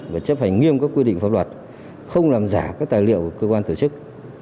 và chấp hành nghiêm các quy định pháp luật không làm giả các tài liệu của cơ quan tổ chức